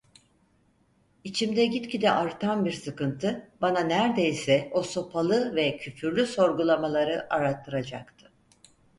İçimde gitgide artan bir sıkıntı bana nerdeyse o sopalı ve küfürlü sorgulamaları arattıracaktı.